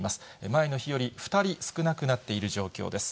前の日より２人少なくなっている状況です。